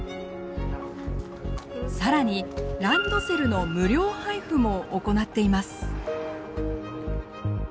更にランドセルの無料配布も行っています。